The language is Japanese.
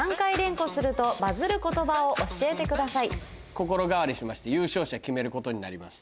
心変わりしまして優勝者決めることになりました。